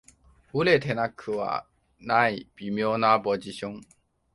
売れてなくはない微妙なポジション